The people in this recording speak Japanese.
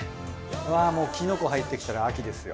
わぁもうきのこ入ってきたら秋ですよ。